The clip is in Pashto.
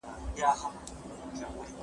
د پخوانيو خلګو فکر تر خپل فکر زيات وڅېړئ.